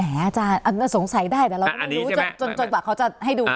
อาจารย์อาจจะสงสัยได้แต่เราก็ไม่รู้จนกว่าเขาจะให้ดู